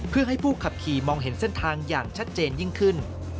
เพื่อให้ผู้ขับขี่มองเห็นเส้นทางอย่างชัดเจนยิ่งขึ้น